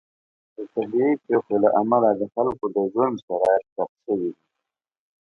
د طبیعي پیښو له امله د خلکو د ژوند شرایط سخت شوي دي.